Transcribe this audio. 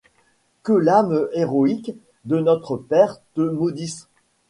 Que l'âme héroïque de notre père te maudisse !